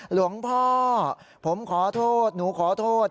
หลวงพ่อผมขอโทษหนูขอโทษ